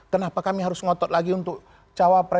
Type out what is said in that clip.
kenapa kami harus ngotot lagi untuk cawapres